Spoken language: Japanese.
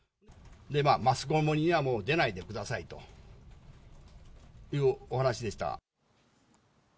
マスコミにはもう出ないでくださいというお話でした。